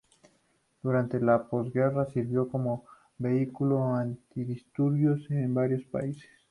Durante la posguerra, sirvió como vehículo antidisturbios en varios países.